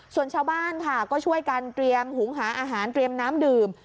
ส่วนชาวบ้านค่ะก็ช่วยกันเตรียมหุงหาอาหารเตรียมน้ำดื่ม